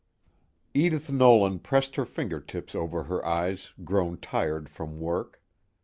IV Edith Nolan pressed her fingertips over eyes grown tired from work.